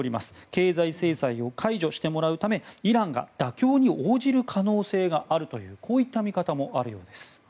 経済制裁を解除してもらうためイランが妥協に応じる可能性があるというこういった見方もあるようです。